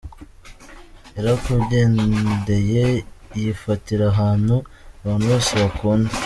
Yarakugendeye yifatira ahantu abantu bose bakunda!